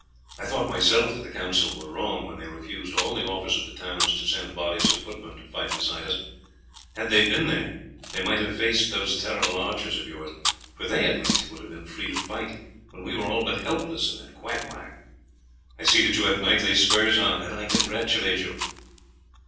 I thought myself that the council were wrong when they refused all the offers of the towns to send bodies of footmen to fight beside us; had they been there, they might have faced those terrible archers of yours, for they at least would have been free to fight when we were all but helpless in that quagmire. I see that you have knightly spurs on, and I congratulate you."